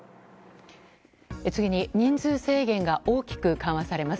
次に、人数制限が大きく緩和されます。